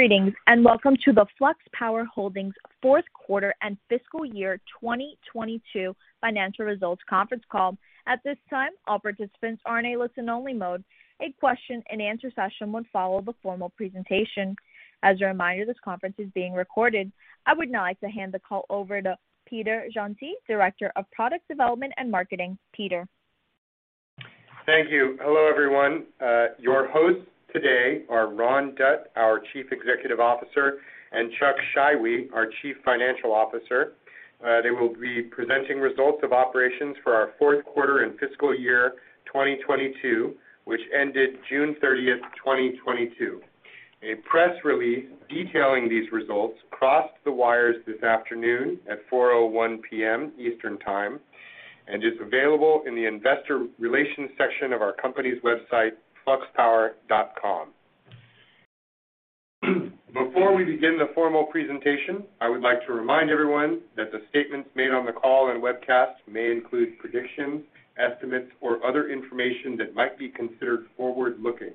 Greetings, and welcome to the Flux Power Holdings Q4 and Fiscal Year 2022 Financial Results Conference Call. At this time, all participants are in a listen-only mode. A question and answer session would follow the formal presentation. As a reminder, this conference is being recorded. I would now like to hand the call over to Peter Geantil, Director of Product Development and Marketing. Peter. Thank you. Hello, everyone. Your hosts today are Ron Dutt, our Chief Executive Officer, and Chuck Scheiwe, our Chief Financial Officer. They will be presenting results of operations for our Q4 and fiscal year 2022, which ended June 30, 2022. A press release detailing these results crossed the wires this afternoon at 4:01 P.M. Eastern Time, and is available in the investor relations section of our company's website, fluxpower.com. Before we begin the formal presentation, I would like to remind everyone that the statements made on the call and webcast may include predictions, estimates, or other information that might be considered forward-looking.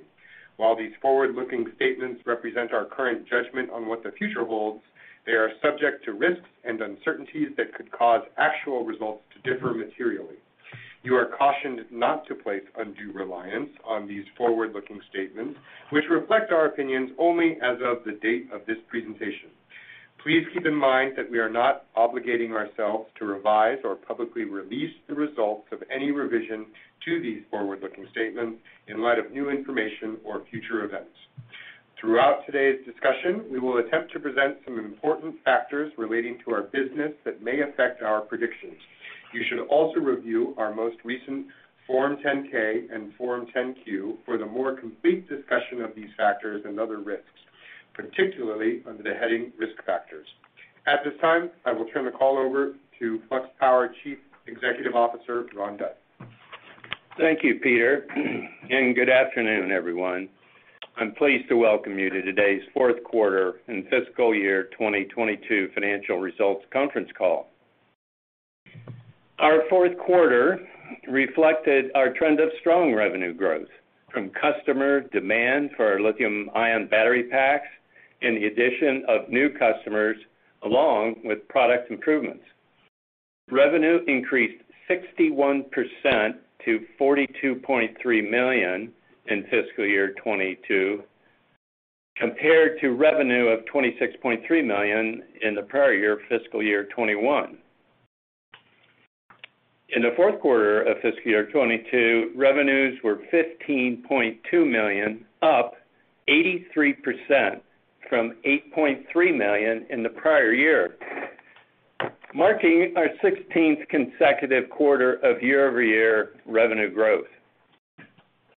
While these forward-looking statements represent our current judgment on what the future holds, they are subject to risks and uncertainties that could cause actual results to differ materially. You are cautioned not to place undue reliance on these forward-looking statements, which reflect our opinions only as of the date of this presentation. Please keep in mind that we are not obligating ourselves to revise or publicly release the results of any revision to these forward-looking statements in light of new information or future events. Throughout today's discussion, we will attempt to present some important factors relating to our business that may affect our predictions. You should also review our most recent Form 10-K and Form 10-Q for the more complete discussion of these factors and other risks, particularly under the heading Risk Factors. At this time, I will turn the call over to Flux Power Chief Executive Officer, Ron Dutt. Thank you, Peter, and good afternoon, everyone. I'm pleased to welcome you to today's Q4 and fiscal year 2022 financial results conference call. Our Q4 reflected our trend of strong revenue growth from customer demand for our lithium-ion battery packs and the addition of new customers, along with product improvements. Revenue increased 61% to $42.3 million in fiscal year 2022, compared to revenue of $26.3 million in the prior year, fiscal year 2021. In the Q4 of fiscal year 2022, revenues were $15.2 million, up 83% from $8.3 million in the prior year, marking our 16th consecutive quarter of year-over-year revenue growth.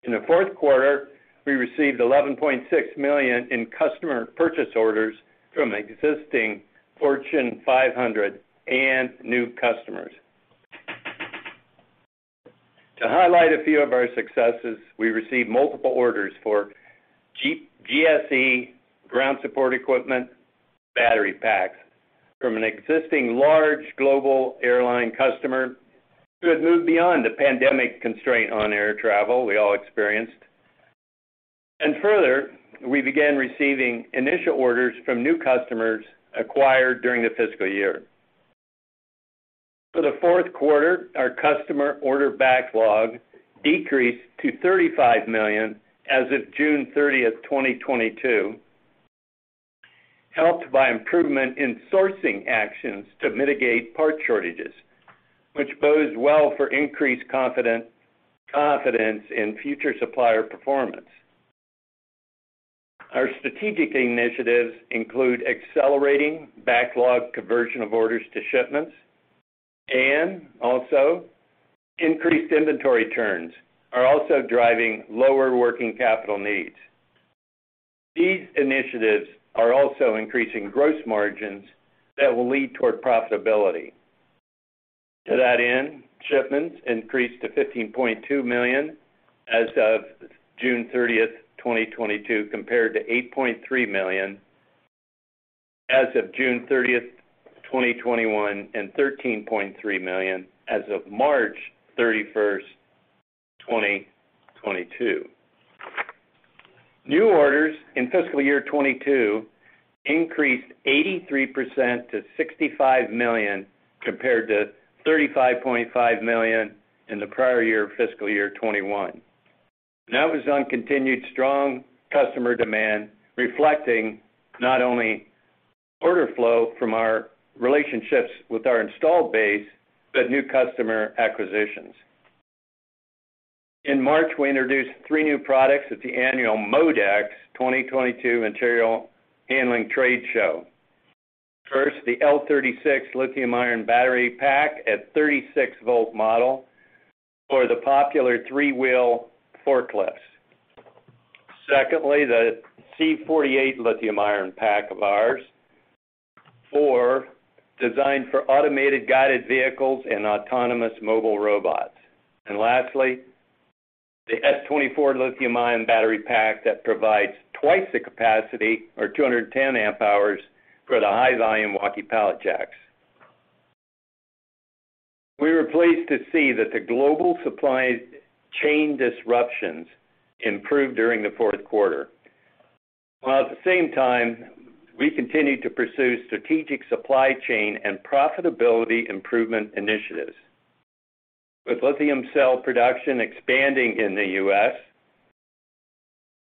In the Q4, we received $11.6 million in customer purchase orders from existing Fortune 500 and new customers. To highlight a few of our successes, we received multiple orders for Jeep GSE Ground Support Equipment battery packs from an existing large global airline customer who had moved beyond the pandemic constraint on air travel we all experienced. Further, we began receiving initial orders from new customers acquired during the fiscal year. For the Q4, our customer order backlog decreased to $35 million as of June 30, 2022, helped by improvement in sourcing actions to mitigate part shortages, which bodes well for increased confidence in future supplier performance. Our strategic initiatives include accelerating backlog conversion of orders to shipments and also increased inventory turns are also driving lower working capital needs. These initiatives are also increasing gross margins that will lead toward profitability. To that end, shipments increased to $15.2 million as of June 30th, 2022, compared to $8.3 million as of June 30th, 2021, and $13.3 million as of March 31st, 2022. New orders in fiscal year 2022 increased 83% to $65 million, compared to $35.5 million in the prior year, fiscal year 2021. That was on continued strong customer demand, reflecting not only order flow from our relationships with our installed base, but new customer acquisitions. In March, we introduced three new products at the annual MODEX 2022 Material Handling Trade Show. First, the L-36 lithium-ion battery pack, 36-volt model for the popular three-wheel forklifts. Secondly, the C-48 lithium-ion pack of ours designed for automated guided vehicles and autonomous mobile robots. Lastly, the S-24 lithium-ion battery pack that provides twice the capacity or 210 amp hours for the high volume walkie pallet jacks. We were pleased to see that the global supply chain disruptions improved during the Q4, while at the same time, we continued to pursue strategic supply chain and profitability improvement initiatives. With lithium cell production expanding in the U.S.,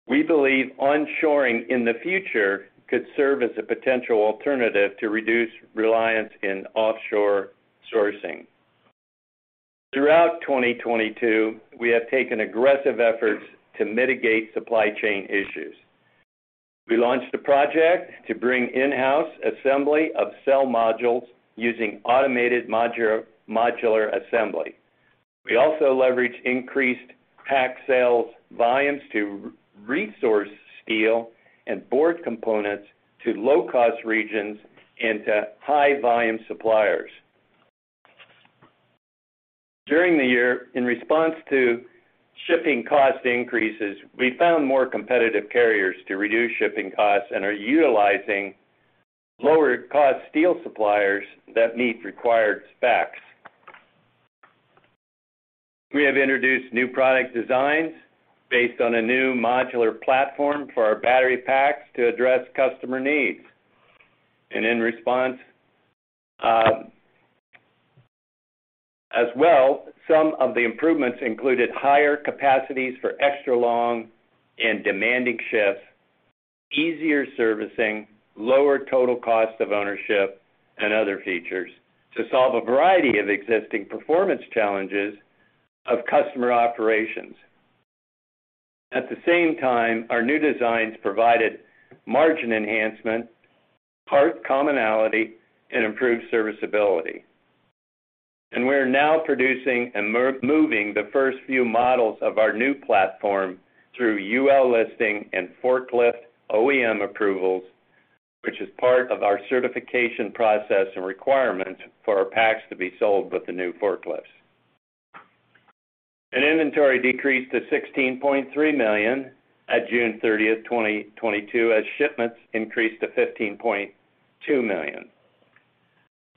we believe onshoring in the future could serve as a potential alternative to reduce reliance in offshore sourcing. Throughout 2022, we have taken aggressive efforts to mitigate supply chain issues. We launched a project to bring in-house assembly of cell modules using automated modular assembly. We also leveraged increased pack sales volumes to re-source steel and board components to low-cost regions and to high volume suppliers. During the year, in response to shipping cost increases, we found more competitive carriers to reduce shipping costs and are utilizing lower cost steel suppliers that meet required specs. We have introduced new product designs based on a new modular platform for our battery packs to address customer needs. In response, as well, some of the improvements included higher capacities for extra long and demanding shifts, easier servicing, lower total cost of ownership and other features to solve a variety of existing performance challenges of customer operations. At the same time, our new designs provided margin enhancement, part commonality, and improved serviceability. We are now producing and moving the first few models of our new platform through UL listing and forklift OEM approvals, which is part of our certification process and requirement for our packs to be sold with the new forklifts. Inventory decreased to $16.3 million at June 30, 2022, as shipments increased to $15.2 million.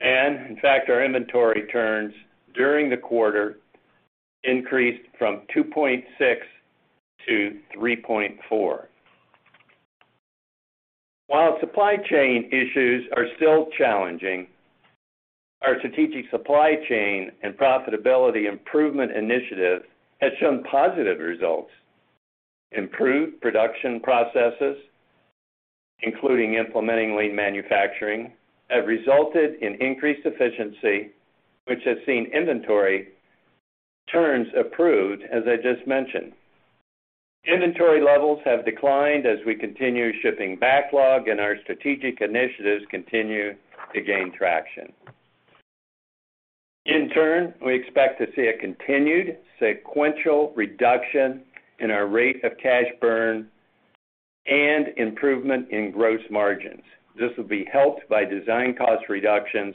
In fact, our inventory turns during the quarter increased from 2.6-3.4. While supply chain issues are still challenging, our strategic supply chain and profitability improvement initiative has shown positive results. Improved production processes, including implementing lean manufacturing, have resulted in increased efficiency, which has seen inventory turns improved, as I just mentioned. Inventory levels have declined as we continue shipping backlog and our strategic initiatives continue to gain traction. In turn, we expect to see a continued sequential reduction in our rate of cash burn and improvement in gross margins. This will be helped by design cost reductions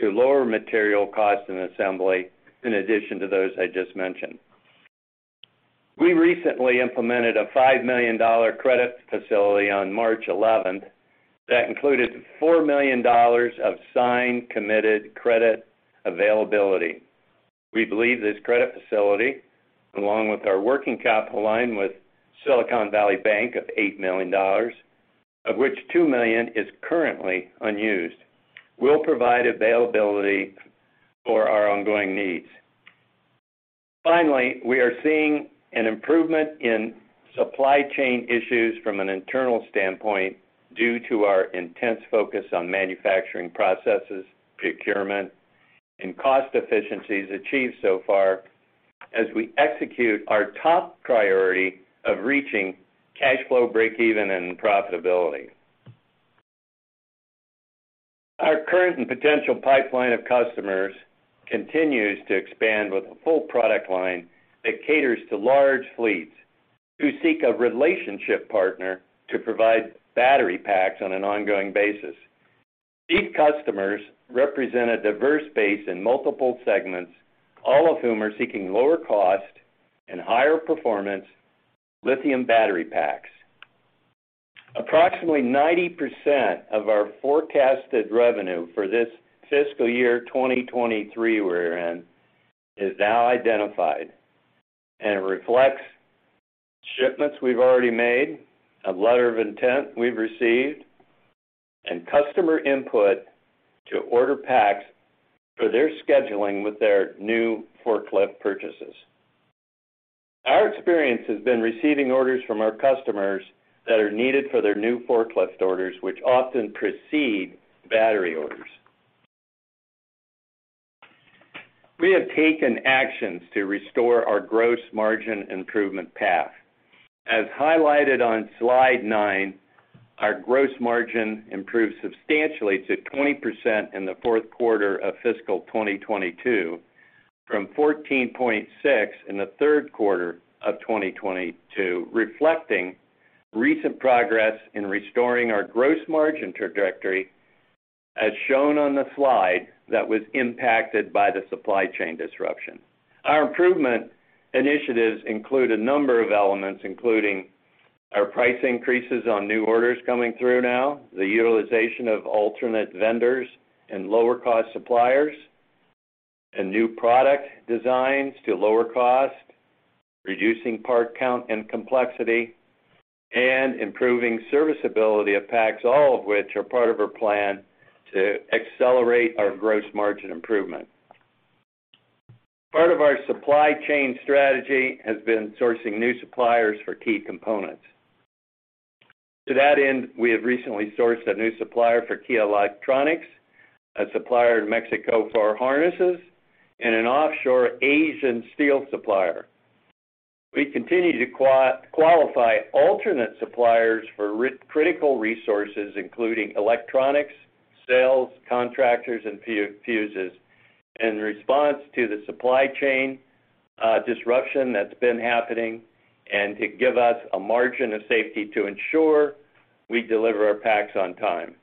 to lower material cost and assembly in addition to those I just mentioned. We recently implemented a $5 million credit facility on March 11 that included $4 million of signed, committed credit availability. We believe this credit facility, along with our working capital line with Silicon Valley Bank of $8 million, of which $2 million is currently unused, will provide availability for our ongoing needs. Finally, we are seeing an improvement in supply chain issues from an internal standpoint due to our intense focus on manufacturing processes, procurement, and cost efficiencies achieved so far as we execute our top priority of reaching cash flow break-even and profitability. Our current and potential pipeline of customers continues to expand with a full product line that caters to large fleets who seek a relationship partner to provide battery packs on an ongoing basis. These customers represent a diverse base in multiple segments, all of whom are seeking lower cost and higher performance lithium battery packs. Approximately 90% of our forecasted revenue for this fiscal year, 2023 we're in, is now identified and reflects shipments we've already made, a letter of intent we've received, and customer input to order packs for their scheduling with their new forklift purchases. Our experience has been receiving orders from our customers that are needed for their new forklift orders, which often precede battery orders. We have taken actions to restore our gross margin improvement path. As highlighted on slide nine, our gross margin improved substantially to 20% in the Q4 of fiscal 2022 from 14.6% in the Q3 of 2022, reflecting recent progress in restoring our gross margin trajectory as shown on the slide that was impacted by the supply chain disruptions. Our improvement initiatives include a number of elements, including our price increases on new orders coming through now, the utilization of alternate vendors and lower cost suppliers, and new product designs to lower cost, reducing part count and complexity, and improving serviceability of packs, all of which are part of our plan to accelerate our gross margin improvement. Part of our supply chain strategy has been sourcing new suppliers for key components. To that end, we have recently sourced a new supplier for key electronics, a supplier in Mexico for our harnesses, and an offshore Asian steel supplier. We continue to qualify alternate suppliers for critical resources, including electronics, cells, contractors, and fuses in response to the supply chain disruption that's been happening and to give us a margin of safety to ensure we deliver our packs on time.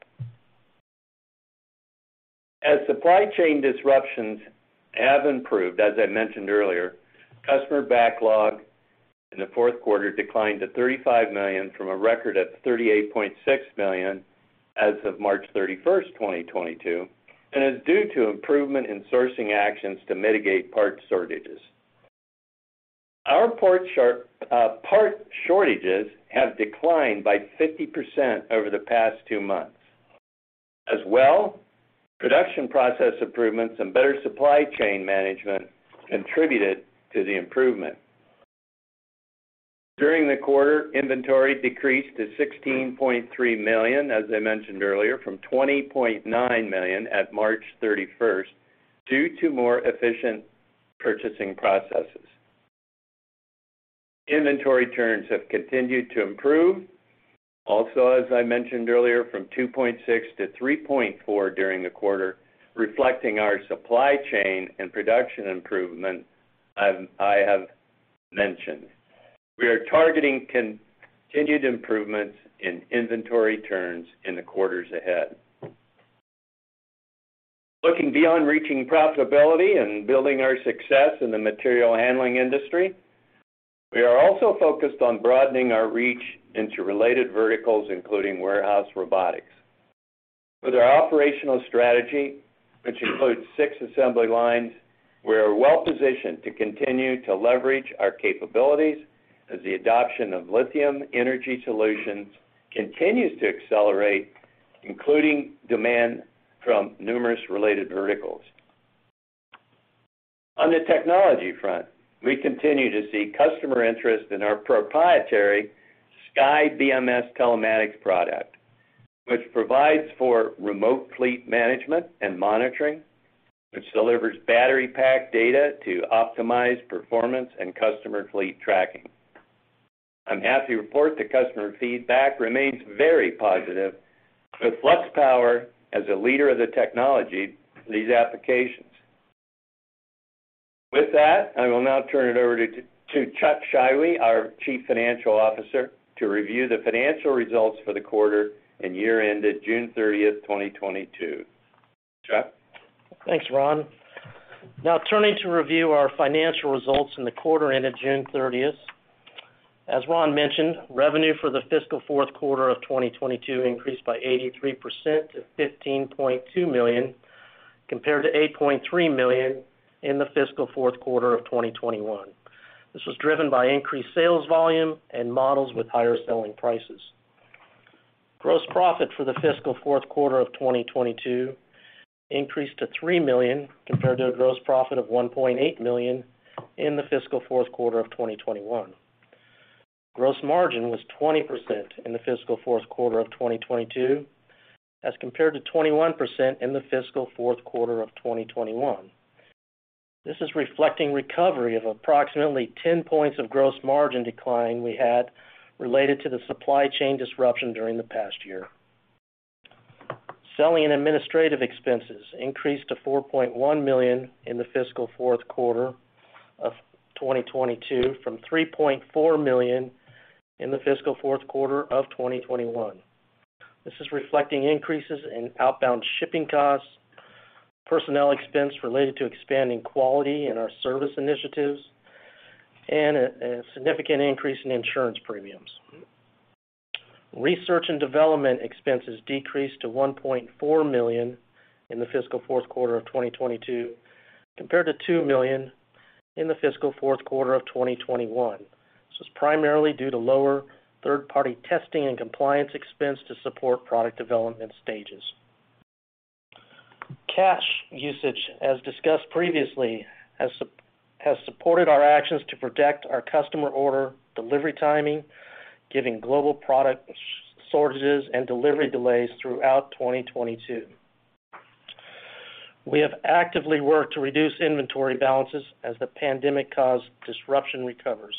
As supply chain disruptions have improved, as I mentioned earlier, customer backlog in the Q4 declined to $35 million from a record at $38.6 million as of March 31, 2022, and is due to improvement in sourcing actions to mitigate part shortages. Our part shortages have declined by 50% over the past two months. As well, production process improvements and better supply chain management contributed to the improvement. During the quarter, inventory decreased to $16.3 million, as I mentioned earlier, from $20.9 million at March 31, due to more efficient purchasing processes. Inventory turns have continued to improve, also, as I mentioned earlier, from 2.6-3.4 during the quarter, reflecting our supply chain and production improvement I have mentioned. We are targeting continued improvements in inventory turns in the quarters ahead. Looking beyond reaching profitability and building our success in the material handling industry, we are also focused on broadening our reach into related verticals, including warehouse robotics. With our operational strategy, which includes six assembly lines, we are well-positioned to continue to leverage our capabilities as the adoption of lithium energy solutions continues to accelerate, including demand from numerous related verticals. On the technology front, we continue to see customer interest in our proprietary SkyBMS telematics product, which provides for remote fleet management and monitoring, which delivers battery pack data to optimize performance and customer fleet tracking. I'm happy to report the customer feedback remains very positive, with Flux Power as a leader of the technology for these applications. With that, I will now turn it over to Chuck Scheiwe, our Chief Financial Officer, to review the financial results for the quarter and year ended June 30, 2022. Chuck? Thanks, Ron. Now turning to review our financial results in the quarter ended June 30th. As Ron mentioned, revenue for the fiscal Q4 of 2022 increased by 83% to $15.2 million, compared to $8.3 million in the fiscal Q4 of 2021. This was driven by increased sales volume and models with higher selling prices. Gross profit for the fiscal Q4 of 2022 increased to $3 million, compared to a gross profit of $1.8 million in the fiscal Q4 of 2021. Gross margin was 20% in the fiscal Q4 of 2022, as compared to 21% in the fiscal Q4 of 2021. This is reflecting recovery of approximately 10 points of gross margin decline we had related to the supply chain disruption during the past year. Selling and administrative expenses increased to $4.1 million in the fiscal Q4 of 2022, from $3.4 million in the fiscal Q4 of 2021. This is reflecting increases in outbound shipping costs, personnel expense related to expanding quality in our service initiatives, and a significant increase in insurance premiums. Research and development expenses decreased to $1.4 million in the fiscal Q4 of 2022, compared to $2 million in the fiscal Q4 of 2021. This is primarily due to lower third-party testing and compliance expense to support product development stages. Cash usage, as discussed previously, has supported our actions to protect our customer order delivery timing, given global product shortages and delivery delays throughout 2022. We have actively worked to reduce inventory balances as the pandemic-caused disruption recovers.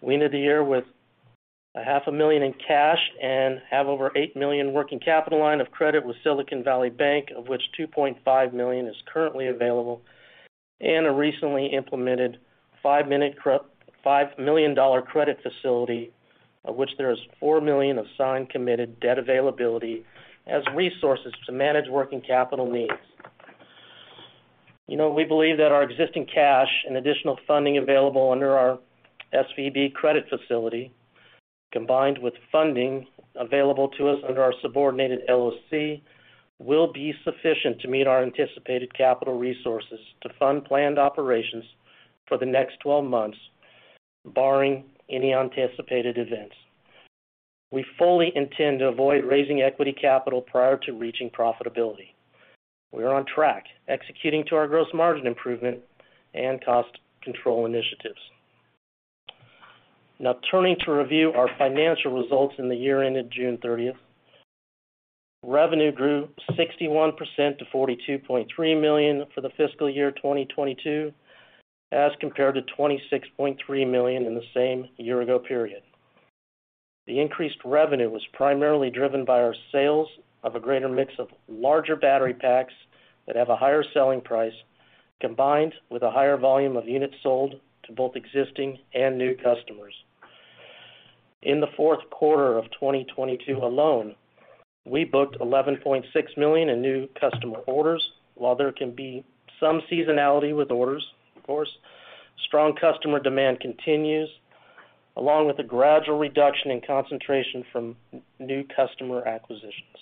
We ended the year with half a million dollars in cash and have over $8 million working capital line of credit with Silicon Valley Bank, of which $2.5 million is currently available, and a recently implemented $5 million credit facility. Of which there is $4 million of signed, committed debt availability as resources to manage working capital needs. You know, we believe that our existing cash and additional funding available under our SVB credit facility, combined with funding available to us under our subordinated LOC, will be sufficient to meet our anticipated capital resources to fund planned operations for the next 12 months, barring any anticipated events. We fully intend to avoid raising equity capital prior to reaching profitability. We are on track, executing to our gross margin improvement and cost control initiatives. Now turning to review our financial results in the year ended June 30. Revenue grew 61% to $42.3 million for the fiscal year 2022, as compared to $26.3 million in the same year ago period. The increased revenue was primarily driven by our sales of a greater mix of larger battery packs that have a higher selling price, combined with a higher volume of units sold to both existing and new customers. In the Q4 of 2022 alone, we booked $11.6 million in new customer orders, while there can be some seasonality with orders, of course, strong customer demand continues, along with a gradual reduction in concentration from new customer acquisitions.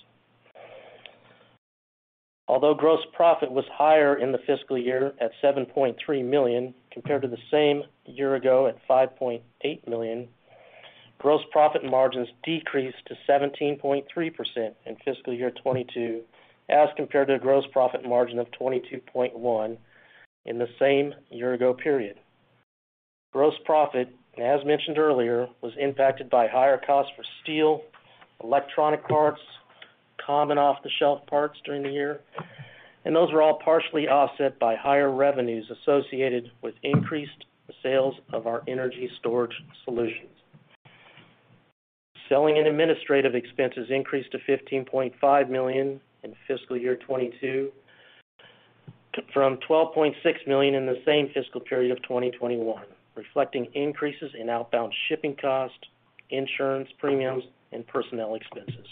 Although gross profit was higher in the fiscal year at $7.3 million compared to the same year ago at $5.8 million, gross profit margins decreased to 17.3% in fiscal year 2022, as compared to a gross profit margin of 22.1% in the same year ago period. Gross profit, as mentioned earlier, was impacted by higher costs for steel, electronic parts, common off-the-shelf parts during the year, and those were all partially offset by higher revenues associated with increased sales of our energy storage solutions. Selling and administrative expenses increased to $15.5 million in fiscal year 2022 from $12.6 million in the same fiscal period of 2021, reflecting increases in outbound shipping costs, insurance premiums, and personnel expenses.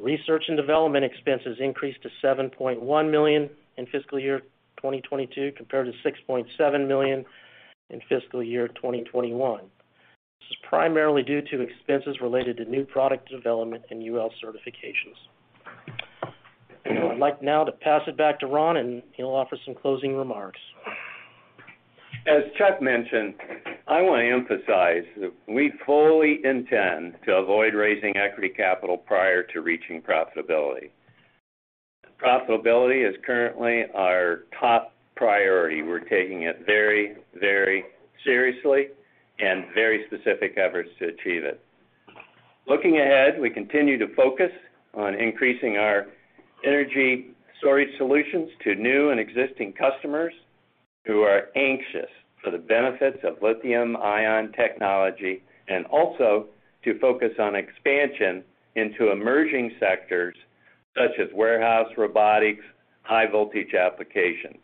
Research and development expenses increased to $7.1 million in fiscal year 2022 compared to $6.7 million in fiscal year 2021. This is primarily due to expenses related to new product development and UL certifications. I'd like now to pass it back to Ron, and he'll offer some closing remarks. As Chuck mentioned, I want to emphasize that we fully intend to avoid raising equity capital prior to reaching profitability. Profitability is currently our top priority. We're taking it very, very seriously and very specific efforts to achieve it. Looking ahead, we continue to focus on increasing our energy storage solutions to new and existing customers who are anxious for the benefits of lithium-ion technology, and also to focus on expansion into emerging sectors such as warehouse robotics, high voltage applications.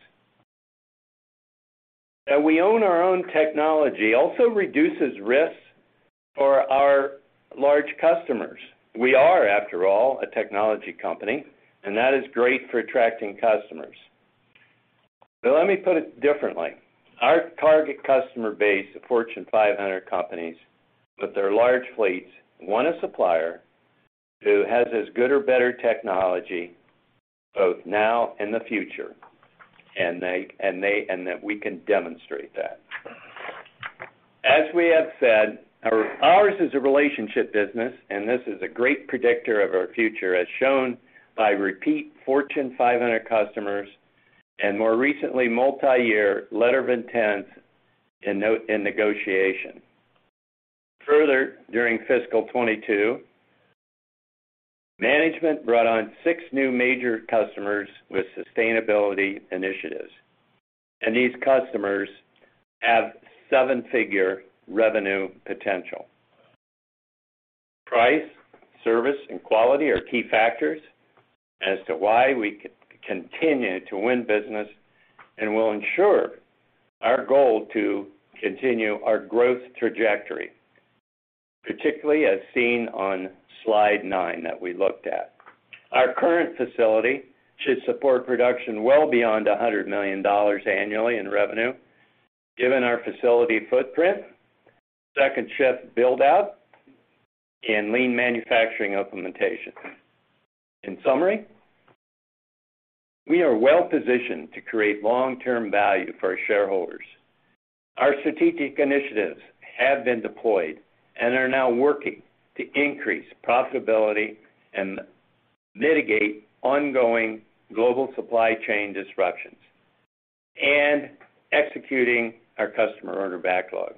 That we own our own technology also reduces risks for our large customers. We are, after all, a technology company, and that is great for attracting customers. Let me put it differently. Our target customer base of Fortune 500 companies with their large fleets want a supplier who has as good or better technology, both now and the future, and that we can demonstrate that. As we have said, ours is a relationship business, and this is a great predictor of our future, as shown by repeat Fortune 500 customers and more recently, multi-year letters of intent in negotiation. Further, during fiscal 2022, management brought on six new major customers with sustainability initiatives, and these customers have seven-figure revenue potential. Price, service, and quality are key factors as to why we continue to win business and will ensure our goal to continue our growth trajectory, particularly as seen on slide nine that we looked at. Our current facility should support production well beyond $100 million annually in revenue, given our facility footprint, second shift build-out, and lean manufacturing implementation. In summary, we are well-positioned to create long-term value for our shareholders. Our strategic initiatives have been deployed and are now working to increase profitability and mitigate ongoing global supply chain disruptions and executing our customer order backlog.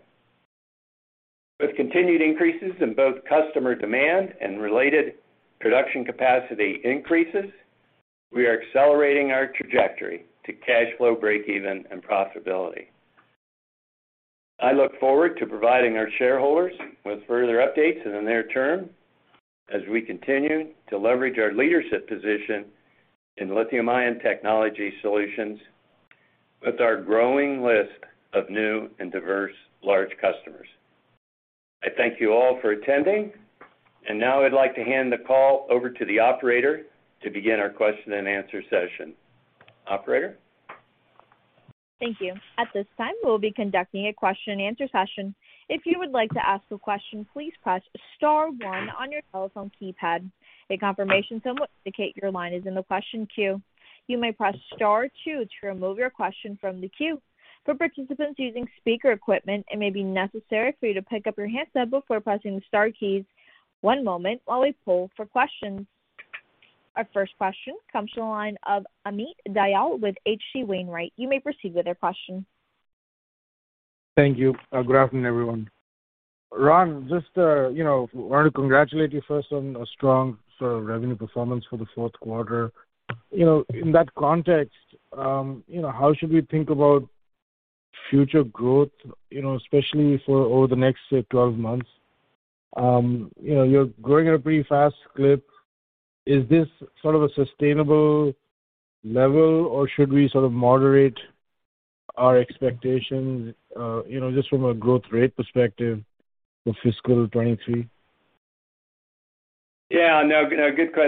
With continued increases in both customer demand and related production capacity increases, we are accelerating our trajectory to cash flow break even and profitability. I look forward to providing our shareholders with further updates in the near term as we continue to leverage our leadership position in lithium-ion technology solutions. With our growing list of new and diverse large customers. I thank you all for attending. Now I'd like to hand the call over to the operator to begin our question and answer session. Operator? Thank you. Our 1st question comes from the line of Amit Dayal with H.C. Wainwright. You may proceed with your question. Thank you. Good afternoon, everyone. Ron, just to, you know, want to congratulate you first on a strong sort of revenue performance for the Q4. You know, in that context, you know, how should we think about future growth, you know, especially for over the next, say, 12 months? You know, you're growing at a pretty fast clip. Is this sort of a sustainable level, or should we sort of moderate our expectations, you know, just from a growth rate perspective for fiscal 2023?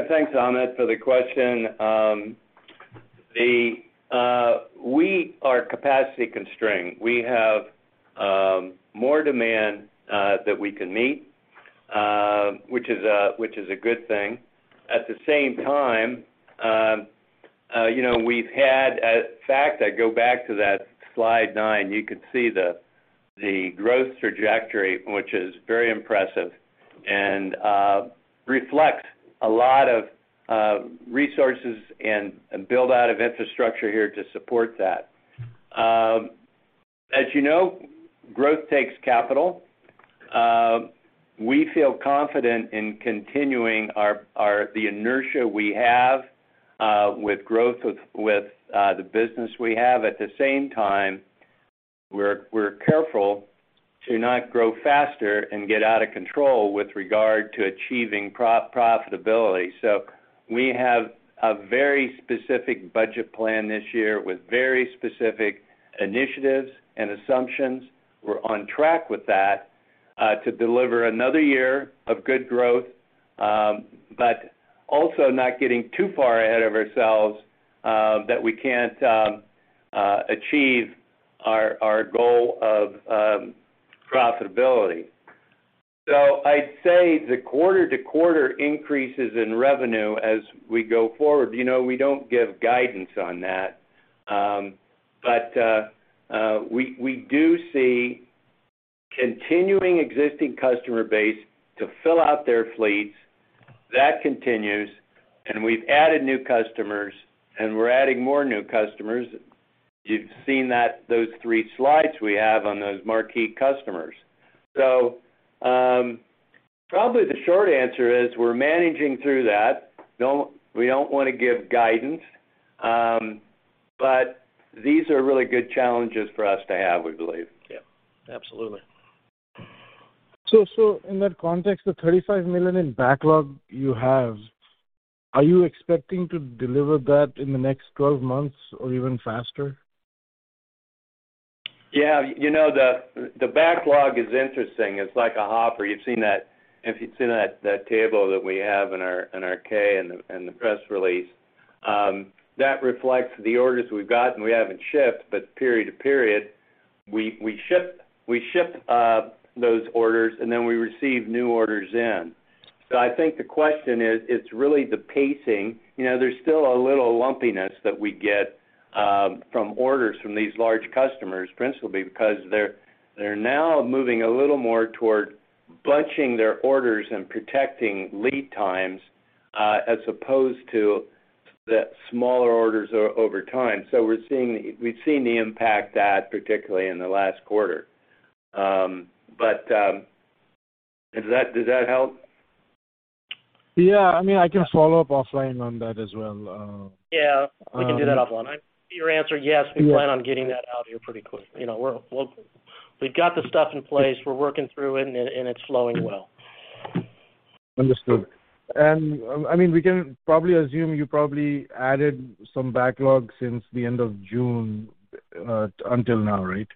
Thanks, Amit, for the question. We are capacity-constrained. We have more demand that we can meet, which is a good thing. At the same time, you know, we've had to factor that. Go back to that slide nine, you could see the growth trajectory, which is very impressive and reflects a lot of resources and build-out of infrastructure here to support that. As you know, growth takes capital. We feel confident in continuing the inertia we have with growth with the business we have. At the same time, we're careful to not grow faster and get out of control with regard to achieving profitability. We have a very specific budget plan this year with very specific initiatives and assumptions. We're on track with that, to deliver another year of good growth, but also not getting too far ahead of ourselves, that we can't achieve our goal of profitability. I'd say the quarter-to-quarter increases in revenue as we go forward, you know, we don't give guidance on that. We do see continuing existing customer base to fill out their fleets. That continues. We've added new customers, and we're adding more new customers. You've seen that, those three slides we have on those marquee customers. Probably the short answer is we're managing through that. We don't wanna give guidance. These are really good challenges for us to have, we believe. Yeah. Absolutely. In that context, the $35 million in backlog you have, are you expecting to deliver that in the next 12 months or even faster? Yeah. You know, the backlog is interesting. It's like a hopper you've seen that. If you've seen that table that we have in our 10-K and the press release, that reflects the orders we've got and we haven't shipped. Period to period, we ship those orders, and then we receive new orders in. I think the question is, it's really the pacing. You know, there's still a little lumpiness that we get from orders from these large customers, principally because they're now moving a little more toward bunching their orders and protecting lead times, as opposed to the smaller orders over time. We've seen the impact that particularly in the last quarter. Does that help? Yeah. I mean, I can follow up offline on that as well. Yeah. We can do that offline. Your answer, yes, we plan on getting that out here pretty quick. You know, we've got the stuff in place. We're working through it and it's flowing well. Understood. I mean, we can probably assume you probably added some backlog since the end of June, until now, right?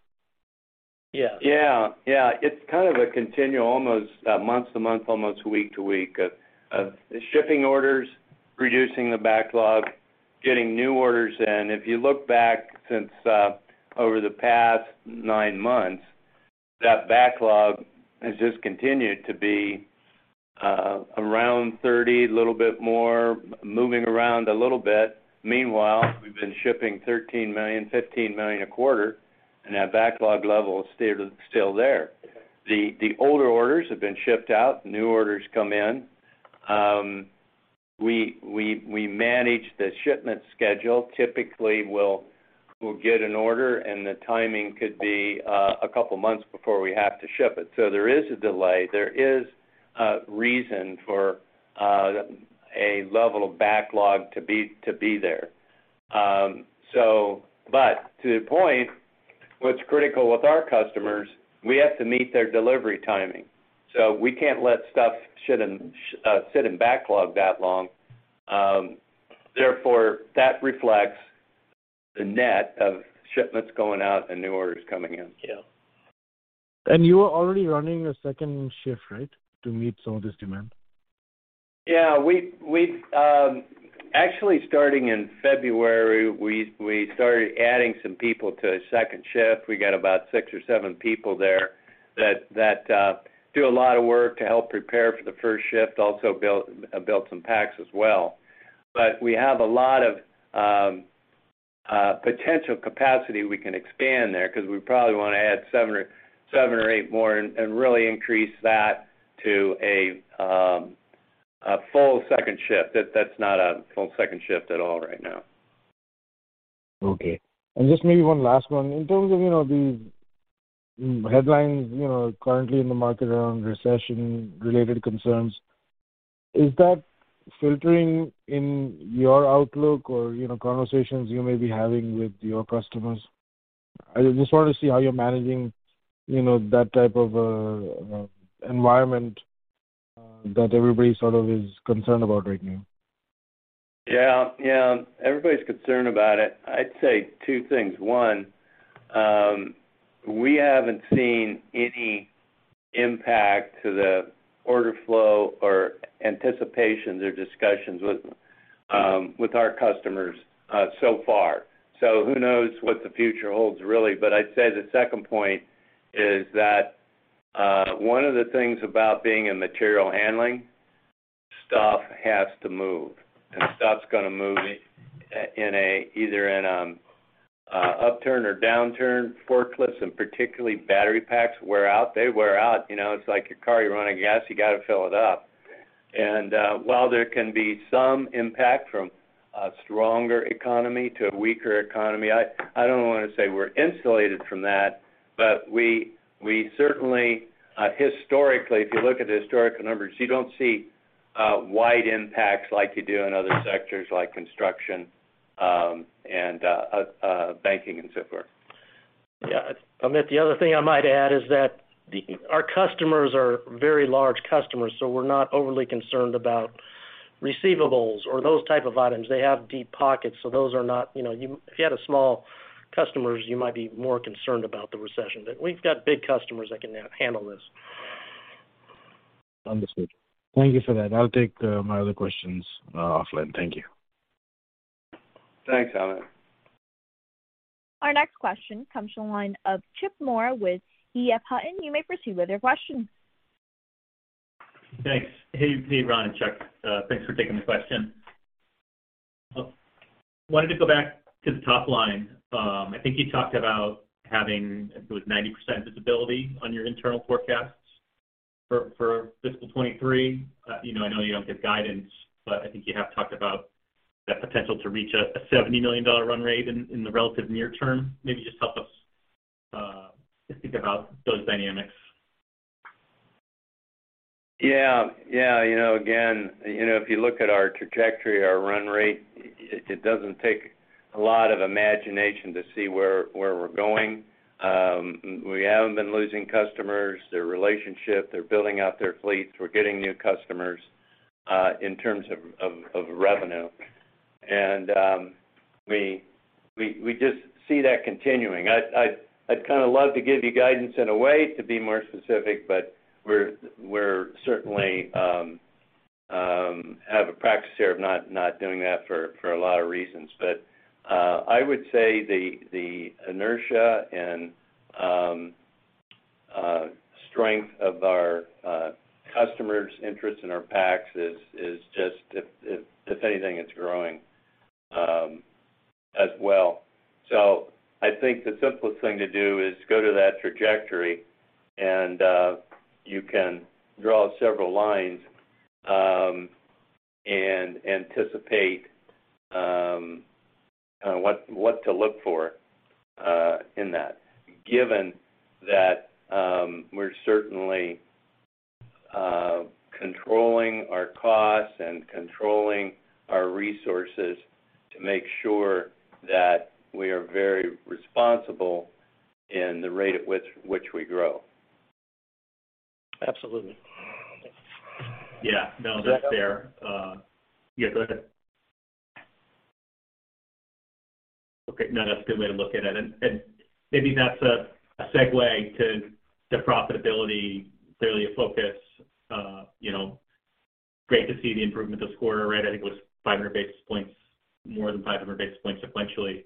Yeah. Yeah. It's kind of a continuum, almost month to month, almost week to week of shipping orders, reducing the backlog, getting new orders in. If you look back since over the past nine months, that backlog has just continued to be around $30 million, a little bit more, moving around a little bit. Meanwhile, we've been shipping $13 million, $15 million a quarter, and our backlog level is still there. The older orders have been shipped out, new orders come in. We manage the shipment schedule. Typically, we'll get an order, and the timing could be a couple of months before we have to ship it. There is a delay, there is a reason for a level of backlog to be there. To your point. What's critical with our customers, we have to meet their delivery timing, so we can't let stuff sit in backlog that long. Therefore, that reflects the net of shipments going out and new orders coming in. Yeah. You are already running a second shift, right, to meet some of this demand? Yeah. Actually, starting in February, we started adding some people to a second shift. We got about six or seven people there that do a lot of work to help prepare for the first shift, also build some packs as well. We have a lot of potential capacity we can expand there 'cause we probably wanna add seven or eight more and really increase that to a full second shift. That's not a full second shift at all right now. Okay. Just maybe one last one. In terms of, you know, the headlines, you know, currently in the market around recession-related concerns, is that filtering in your outlook or, you know, conversations you may be having with your customers? I just wanted to see how you're managing, you know, that type of environment that everybody sort of is concerned about right now. Yeah, yeah. Everybody's concerned about it. I'd say two things. One, we haven't seen any impact to the order flow or anticipations or discussions with our customers so far. Who knows what the future holds, really. I'd say the second point is that one of the things about being in material handling, stuff has to move, and stuff's gonna move either in an upturn or downturn. Forklifts and particularly battery packs wear out. They wear out, you know. It's like your car, you're running gas, you got a fill it up. While there can be some impact from a stronger economy to a weaker economy, I don't wanna say we're insulated from that, but we certainly historically, if you look at the historical numbers, you don't see wide impacts like you do in other sectors like construction, and banking and so forth. Yeah. Amit, the other thing I might add is that our customers are very large customers, so we're not overly concerned about receivables or those type of items. They have deep pockets, so those are not. You know, if you had small customers, you might be more concerned about the recession. We've got big customers that can handle this. Understood. Thank you for that. I'll take my other questions offline. Thank you. Thanks, Amit. Our next question comes from the line of Chip Moore with E.F. Hutton. You may proceed with your question. Thanks. Hey, Ron and Chuck. Thanks for taking the question. Wanted to go back to the top line. I think you talked about having, I think it was 90% visibility on your internal forecasts for fiscal 2023. You know, I know you don't give guidance, but I think you have talked about the potential to reach a $70 million run rate in the relative near term. Maybe just help us just think about those dynamics. Yeah. Yeah. You know, again, you know, if you look at our trajectory, our run rate, it doesn't take a lot of imagination to see where we're going. We haven't been losing customers, their relationship. They're building out their fleets. We're getting new customers in terms of revenue. We just see that continuing. I'd kind of love to give you guidance in a way to be more specific, but we're certainly have a practice here of not doing that for a lot of reasons. I would say the inertia and strength of our customers' interest in our packs is just, if anything, it's growing as well. I think the simplest thing to do is go to that trajectory and you can draw several lines and anticipate what to look for in that, given that we're certainly controlling our costs and controlling our resources to make sure that we are very responsible in the rate at which we grow. Absolutely. Yeah. No, that's fair. Yeah, go ahead. Okay. No, that's a good way to look at it. And maybe that's a segue to the profitability, clearly a focus. You know, great to see the improvement this quarter, right? I think it was 500 basis points, more than 500 basis points sequentially.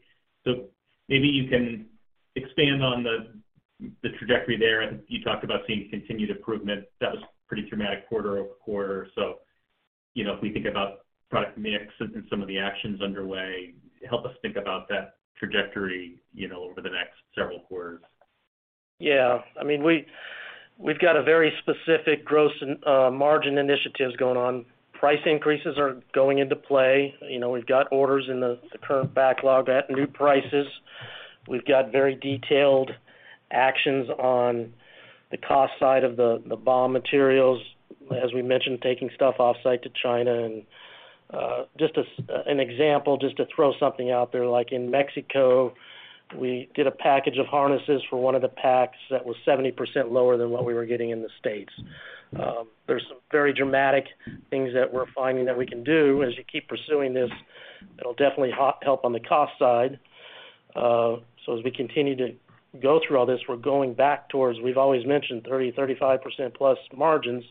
Maybe you can expand on the trajectory there. You talked about seeing continued improvement. That was pretty dramatic quarter-over-quarter. You know, if we think about product mix and some of the actions underway, help us think about that trajectory, you know, over the next several quarters. Yeah. I mean, we've got a very specific gross margin initiatives going on. Price increases are going into play. You know, we've got orders in the current backlog at new prices. We've got very detailed actions on the cost side of the BOM materials, as we mentioned, taking stuff off-site to China and just as an example, just to throw something out there, like in Mexico, we did a package of harnesses for one of the packs that was 70% lower than what we were getting in the States. There's some very dramatic things that we're finding that we can do. As you keep pursuing this, it'll definitely help on the cost side. So as we continue to go through all this, we're going back towards, we've always mentioned 30%-35% plus margins.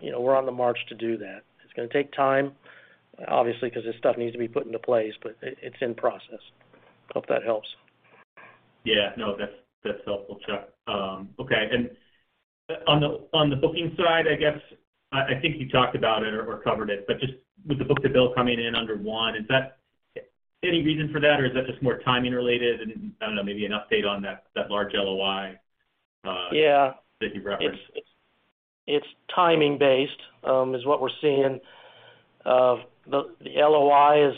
You know, we're on the march to do that. It's gonna take time, obviously, because this stuff needs to be put into place, but it's in process. Hope that helps. Yeah. No, that's helpful, Chuck. Okay. On the booking side, I guess I think you talked about it or covered it, but just with the book-to-bill coming in under one, is that any reason for that, or is that just more timing related? I don't know, maybe an update on that large LOI. Yeah that you referenced. It's timing based, is what we're seeing. The LOI is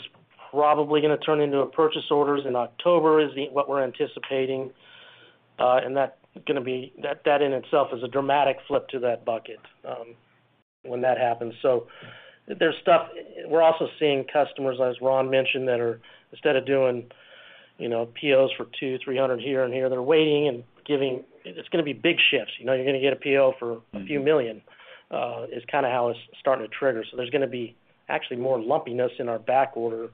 probably gonna turn into purchase orders in October, what we're anticipating. That gonna be that in itself is a dramatic flip to that bucket, when that happens. There's stuff. We're also seeing customers, as Ron mentioned, that are instead of doing, you know, POs for 200, 300 here and there, they're waiting and giving. It's gonna be big shifts. You know, you're gonna get a PO for $a few million, is kind a how it's starting to trigger. There's gonna be actually more lumpiness in our backorder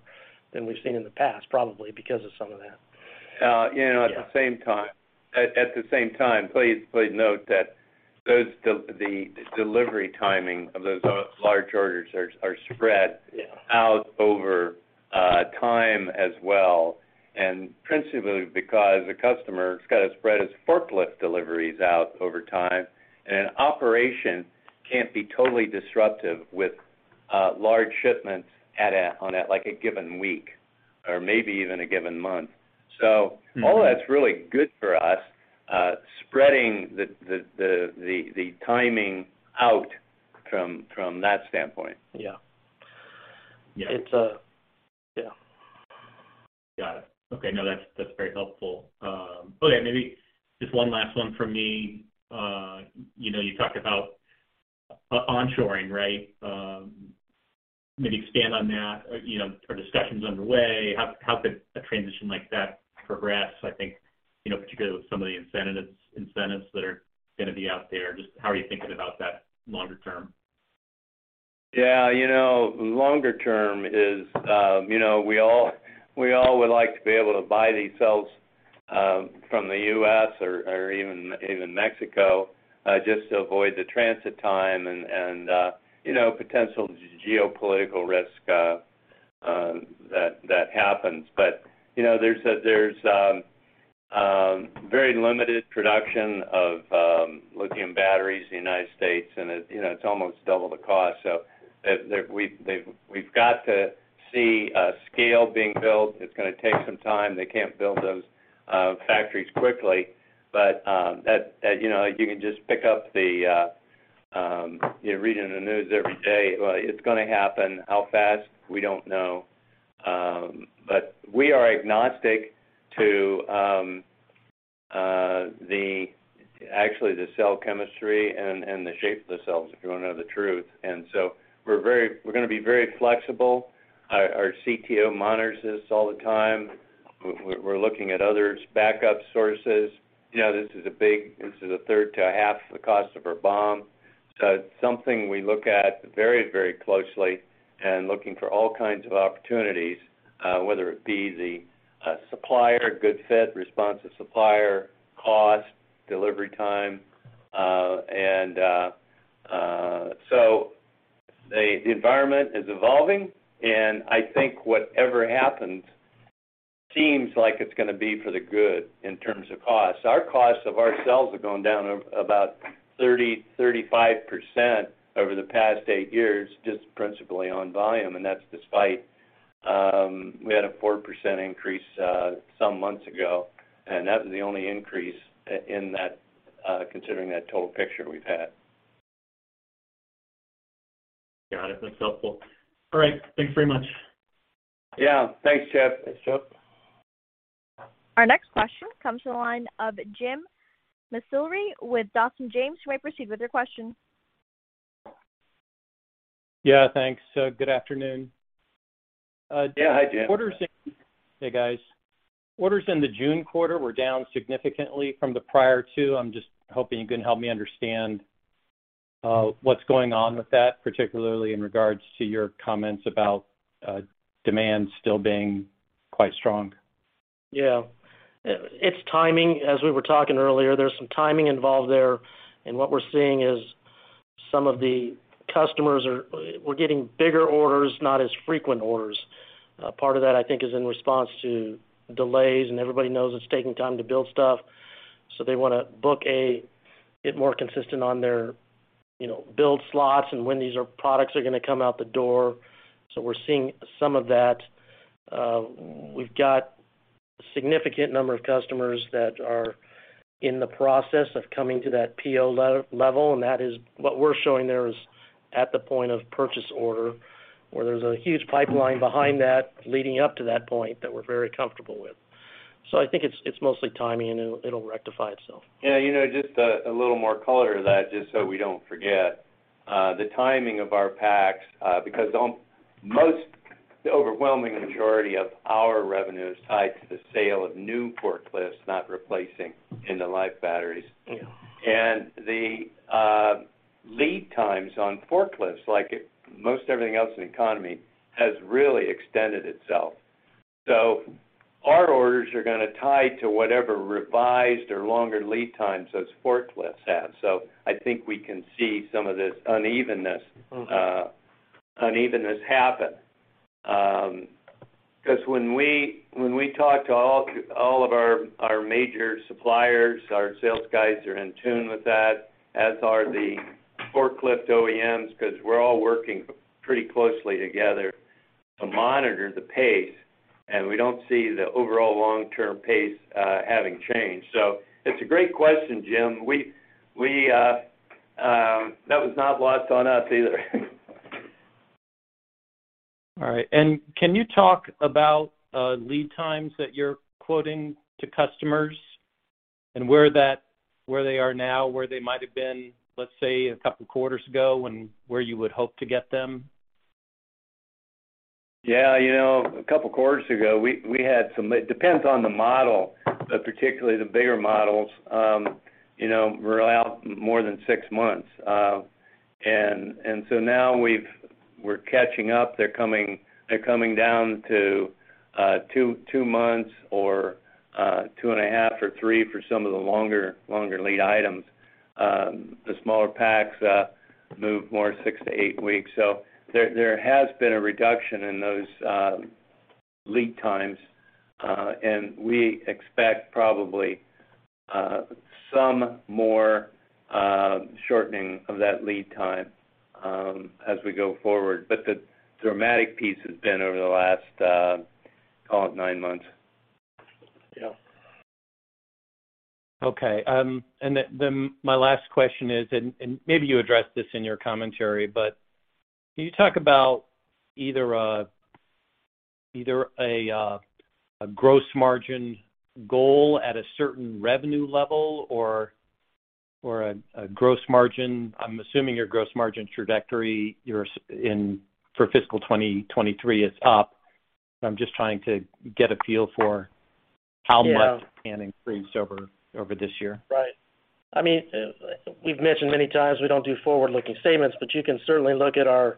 than we've seen in the past, probably because of some of that. you know, at the same time, please note that the delivery timing of those large orders are spread- Yeah out over time as well, and principally because the customer has got to spread his forklift deliveries out over time, and an operation can't be totally disruptive with large shipments on a like a given week or maybe even a given month. All that's really good for us, spreading the timing out from that standpoint. Yeah. Yeah. It's, yeah. Got it. Okay. No, that's very helpful. Okay, maybe just one last one from me. You know, you talked about onshoring, right? Maybe expand on that. You know, are discussions underway? How could a transition like that progress? I think, you know, particularly with some of the incentives that are gonna be out there, just how are you thinking about that longer term? Yeah. You know, longer term is, you know, we all would like to be able to buy these cells from the US or even Mexico just to avoid the transit time and, you know, potential geopolitical risk that happens. You know, there's very limited production of lithium batteries in the United States, and, you know, it's almost double the cost. We've got to see a scale being built. It's gonna take some time. They can't build those factories quickly. You know, you can just pick up, you know, reading the news every day. Well, it's gonna happen. How fast? We don't know. We are agnostic to actually the cell chemistry and the shape of the cells, if you wanna know the truth. We're gonna be very flexible. Our CTO monitors this all the time. We're looking at other backup sources. You know, this is a third to a half the cost of our BOM. It's something we look at very, very closely and looking for all kinds of opportunities, whether it be the supplier, good fit, responsive supplier, cost, delivery time. The environment is evolving, and I think whatever happens seems like it's gonna be for the good in terms of cost. Our costs of our cells have gone down about 35% over the past eight years, just principally on volume. That's despite we had a 4% increase some months ago, and that was the only increase in that, considering that total picture we've had. Got it. That's helpful. All right. Thank you very much. Yeah. Thanks, Chip. Thanks, Chip. Our next question comes from the line of Jim McIlree with Dawson James. You may proceed with your question. Yeah, thanks. Good afternoon. Yeah, hi, Jim. Orders in Hey. Hey, guys. Orders in the June quarter were down significantly from the prior two. I'm just hoping you can help me understand what's going on with that, particularly in regards to your comments about demand still being quite strong. Yeah. It's timing. As we were talking earlier, there's some timing involved there, and what we're seeing is some of the customers we're getting bigger orders, not as frequent orders. Part of that, I think, is in response to delays, and everybody knows it's taking time to build stuff, so they wanna book a bit more consistent on their, you know, build slots and when these products are gonna come out the door. We're seeing some of that. We've got significant number of customers that are in the process of coming to that PO level, and that is what we're showing there is at the point of purchase order, where there's a huge pipeline behind that leading up to that point that we're very comfortable with. I think it's mostly timing, and it'll rectify itself. Yeah, you know, just a little more color to that just so we don't forget. The timing of our packs, because almost the overwhelming majority of our revenue is tied to the sale of new forklifts, not replacing end-of-life batteries. Yeah. The lead times on forklifts, like most everything else in the economy, has really extended itself. Our orders are gonna tie to whatever revised or longer lead times those forklifts have. I think we can see some of this unevenness. Mm-hmm. Unevenness happens. Because when we talk to all of our major suppliers, our sales guys are in tune with that, as are the forklift OEMs, because we're all working pretty closely together to monitor the pace, and we don't see the overall long-term pace having changed. It's a great question, Jim. That was not lost on us either. All right. Can you talk about lead times that you're quoting to customers and where they are now, where they might have been, let's say, a couple quarters ago, and where you would hope to get them? Yeah. You know, a couple quarters ago, it depends on the model, but particularly the bigger models were out more than six months. Now we're catching up. They're coming down to two months or two and a half or three for some of the longer lead items. The smaller packs move more six to eight weeks. There has been a reduction in those lead times, and we expect probably some more shortening of that lead time as we go forward. The dramatic piece has been over the last call it nine months. Yeah. Okay. My last question is, maybe you addressed this in your commentary, but can you talk about either a gross margin goal at a certain revenue level or a gross margin. I'm assuming your gross margin trajectory for fiscal 2023 is up. I'm just trying to get a feel for how much. Yeah. Can increase over this year. Right. I mean, we've mentioned many times we don't do forward-looking statements, but you can certainly look at our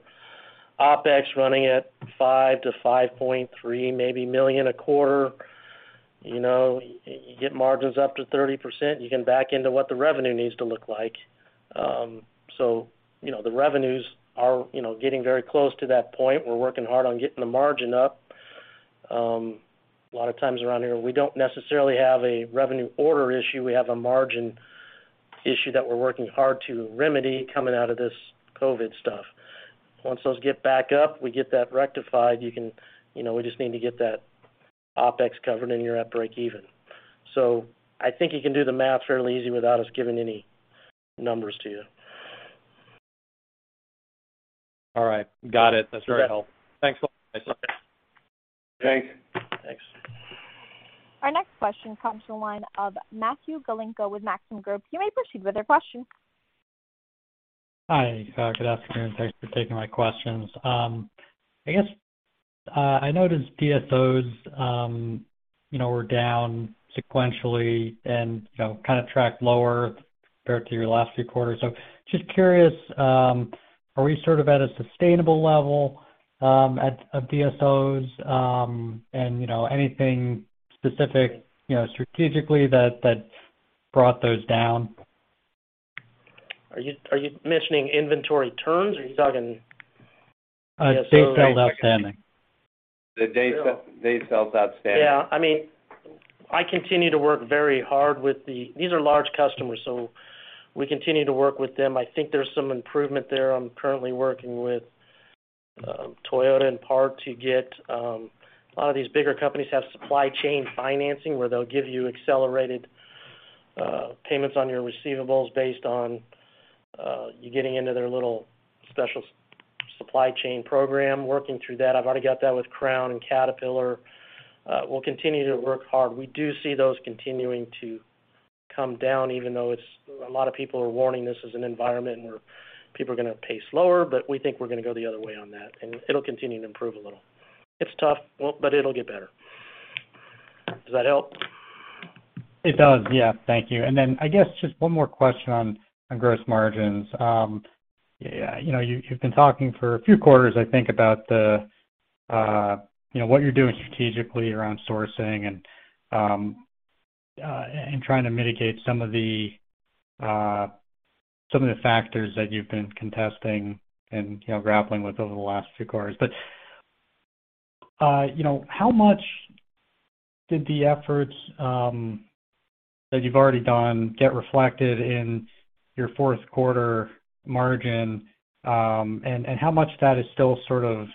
OpEx running at $5-$5.3 million, maybe, a quarter. You know, you get margins up to 30%, you can back into what the revenue needs to look like. You know, the revenues are, you know, getting very close to that point. We're working hard on getting the margin up. A lot of times around here, we don't necessarily have a revenue order issue, we have a margin issue that we're working hard to remedy coming out of this COVID stuff. Once those get back up, we get that rectified. You know, we just need to get that OpEx covered and you're at break even. I think you can do the math fairly easy without us giving any numbers to you. All right. Got it. Yeah. That's very helpful. Thanks a lot. Thanks. Thanks. Our next question comes from the line of Matthew Galinko with Maxim Group. You may proceed with your question. Hi, good afternoon. Thanks for taking my questions. I guess, I noticed DSOs, you know, were down sequentially and, you know, kind of tracked lower compared to your last few quarters. Just curious, are we sort of at a sustainable level of DSOs? You know, anything specific, you know, strategically that brought those down? Are you mentioning inventory turns or are you talking DSOs? Days Sales Outstanding. The Days Sales Outstanding. Yeah. I mean, I continue to work very hard with them. These are large customers, so we continue to work with them. I think there's some improvement there. I'm currently working with Toyota and PACCAR to get. A lot of these bigger companies have supply chain financing where they'll give you accelerated payments on your receivables based on you getting into their little special supply chain program. Working through that. I've already got that with Crown and Caterpillar. We'll continue to work hard. We do see those continuing to come down, even though a lot of people are warning this is an environment where people are gonna pay slower, but we think we're gonna go the other way on that, and it'll continue to improve a little. It's tough, well, but it'll get better. Does that help? It does. Yeah. Thank you. I guess just one more question on gross margins. You know, you've been talking for a few quarters, I think, about the you know what you're doing strategically around sourcing and trying to mitigate some of the factors that you've been contesting and, you know, grappling with over the last few quarters. You know, how much did the efforts that you've already done get reflected in your Q4 margin and how much of that is still sort of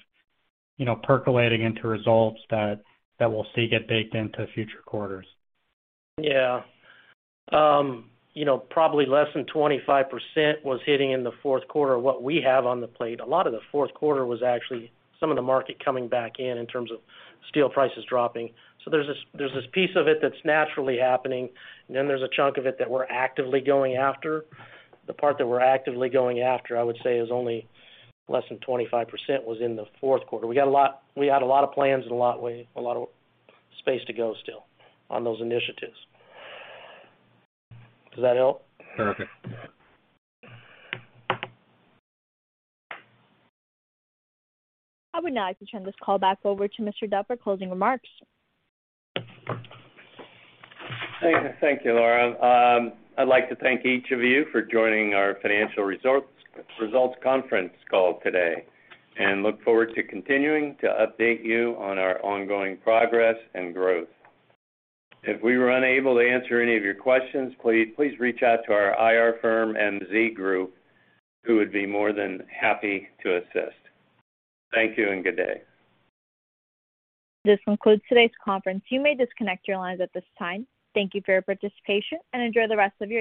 you know percolating into results that we'll see get baked into future quarters? Yeah. You know, probably less than 25% was hitting in the Q4 of what we have on the plate. A lot of the Q4 was actually some of the market coming back in terms of steel prices dropping. There's this piece of it that's naturally happening, and then there's a chunk of it that we're actively going after. The part that we're actively going after, I would say is only less than 25% was in the Q4. We had a lot of plans and a lot of space to go still on those initiatives. Does that help? Perfect. I would now like to turn this call back over to Mr. Dutt for closing remarks. Thank you. Thank you, Laura. I'd like to thank each of you for joining our financial results conference call today and look forward to continuing to update you on our ongoing progress and growth. If we were unable to answer any of your questions, please reach out to our IR firm, MZ Group, who would be more than happy to assist. Thank you and good day. This concludes today's conference. You may disconnect your lines at this time. Thank you for your participation and enjoy the rest of your day.